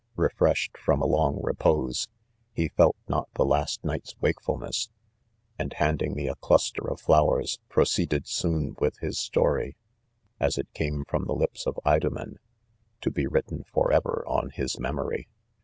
Refreshed from a long repose, he felt not the last night's wake fulness | and, handing me a cluster of flowers, proceeded soon. with his story, as it came from the' lips of Idomen^ to be written forever on his memory.